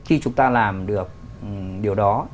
khi chúng ta làm được điều đó